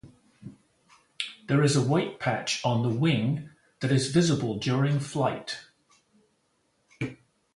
There is a white patch on the wing that is visible during flight.